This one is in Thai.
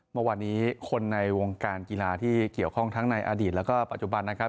เมื่อวานนี้คนในวงการกีฬาที่เกี่ยวข้องทั้งในอดีตแล้วก็ปัจจุบันนะครับ